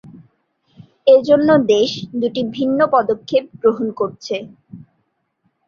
এজন্য দেশ দু'টি বিভিন্ন পদক্ষেপ গ্রহণ করছে।